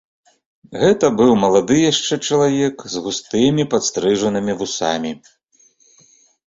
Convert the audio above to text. Гэта быў малады яшчэ чалавек з густымі, падстрыжанымі вусамі.